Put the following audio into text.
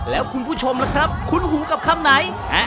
แล้วคุณผู้ชมล่ะครับคุ้นหูกับคำไหน